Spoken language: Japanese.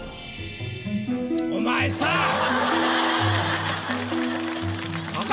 お前さあ！